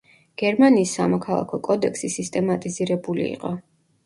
გერმანიის სამოქალაქო კოდექსი სისტემატიზირებული იყო.